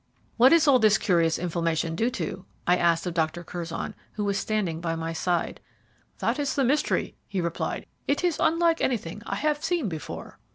"What is all this curious inflammation due to?" I asked of Dr. Curzon, who was standing by my side. "That is the mystery," he replied; "it is unlike anything I have seen before."